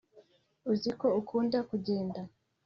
uziko ukunda kugenda